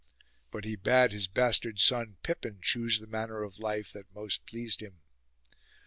But he bade his bastard son Pippin choose the manner of life that most pleased him.